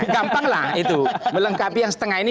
gampanglah itu melengkapi yang setengah ini